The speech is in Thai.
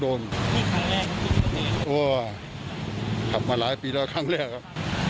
โอ้วขับมาหลายปีแล้วครั้งแรกครับ